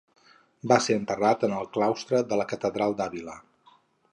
Va ser enterrat en el claustre de la Catedral d'Àvila.